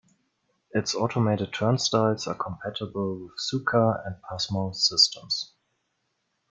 Its automated turnstiles are compatible with Suica and Pasmo systems.